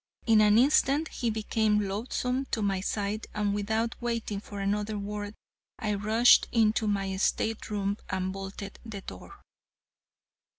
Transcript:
In an instant he became loathsome to my sight, and without waiting for another word I rushed into my state room and bolted the door.